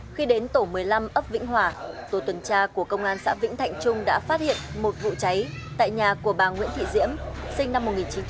khi đến tổ một mươi năm ấp vĩnh hòa tổ tuần tra của công an xã vĩnh thạnh trung đã phát hiện một vụ cháy tại nhà của bà nguyễn thị diễm sinh năm một nghìn chín trăm tám mươi